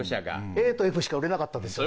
ＡとＦしか売れなかったですよね。